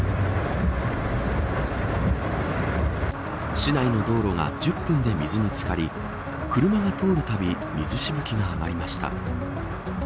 市内の道路が１０分で水に漬かり車が通るたび水しぶきが上がりました。